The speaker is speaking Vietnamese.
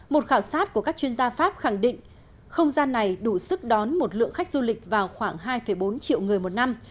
một khảo sát của các chuyên gia pháp khẳng định không gian này đủ sức đón một lượng khách du lịch vào khoảng hai bốn triệu người một năm